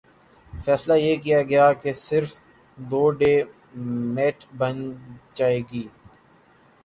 فیصلہ یہ کیا گیا کہہ صرف دو ڈے میٹھ بن ج گے